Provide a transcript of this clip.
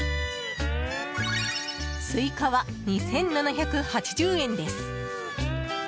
スイカは２７８０円です。